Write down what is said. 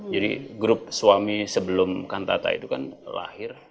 jadi grup suami sebelum tata itu kan lahir